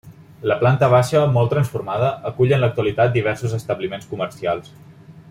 La planta baixa, molt transformada, acull en l'actualitat diversos establiments comercials.